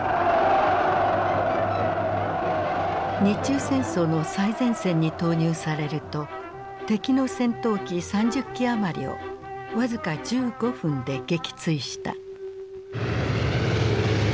日中戦争の最前線に投入されると敵の戦闘機３０機余りを僅か１５分で撃墜した。